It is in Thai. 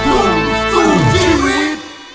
คุณกุ้งเลือกได้